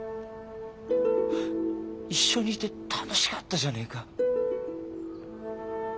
一緒にいて楽しかったじゃねえか。